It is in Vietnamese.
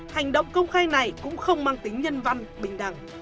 hành động công khai này cũng không mang tính nhân văn bình đẳng